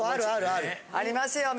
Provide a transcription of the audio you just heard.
ありますよ